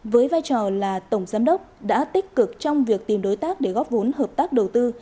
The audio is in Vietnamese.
với vai trò là tổng giám đốc đã tích cực trong việc tìm đối tác để góp vốn hợp tác đầu tư